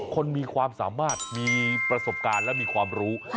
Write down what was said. คนมีความสามารถมีประสบการณ์และมีความรู้